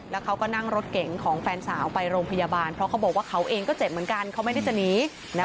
แล้วเขาก็นั่งรถเก๋งของแฟนสาวไปโรงพยาบาลเพราะเขาบอกว่าเขาเองก็เจ็บเหมือนกันเขาไม่ได้จะหนี